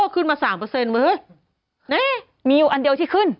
ขึ้นมา๓เปอร์เซ็นต์มีอันเดียวที่ขึ้น